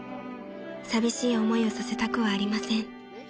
［寂しい思いをさせたくはありません］